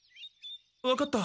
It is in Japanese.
わかった。